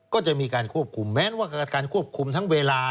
ก็จะมีการควบคุมแม้ว่าการควบคุมทั้งเวลา